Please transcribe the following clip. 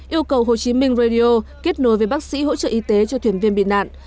yêu cầu hồ chí minh radio kết nối với bác sĩ hỗ trợ y tế cho thuyền viên bị nạn